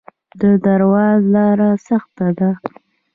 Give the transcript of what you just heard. د درواز لاره سخته ده